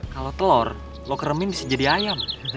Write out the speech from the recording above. kalau telor lu keremin bisa jadi ayam